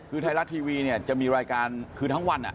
คือไทยรัฐทีวีเนี่ยจะมีรายการคือทั้งวัน